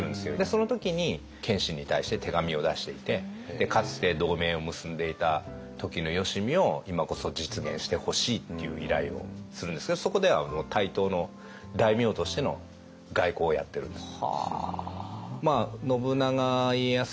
その時に謙信に対して手紙を出していてかつて同盟を結んでいた時のよしみを今こそ実現してほしいっていう依頼をするんですけどそこではもう対等の大名としての外交をやってるんです。